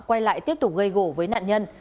quay lại tiếp tục gây gỗ với nạn nhân